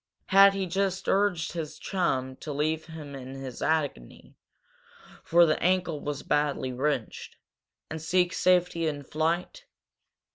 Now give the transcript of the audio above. Had he urged his chum to leave him in his agony, for the ankle was badly wrenched, and seek safety in flight?